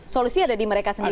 solusi ada di mereka sendiri